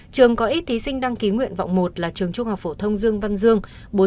trường có ít thí sinh đăng ký nguyện vọng một là trường trung học phổ thông dương văn dương bốn trăm sáu mươi hai